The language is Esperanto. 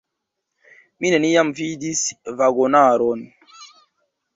Mi neniam vidis vagonaron.